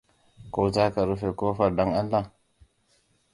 Ko za ka rufe ƙofar, dan Allah?